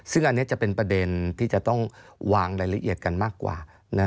ซึ่งอันนี้จะเป็นประเด็นที่จะต้องวางรายละเอียดกันมากกว่า